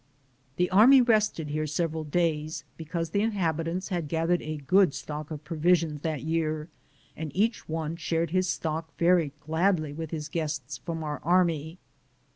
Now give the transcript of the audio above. The army rested here several days, because the inhabitants had gathered a good stock of provisions that year and each one shared his stock very gladly with his guests from our army.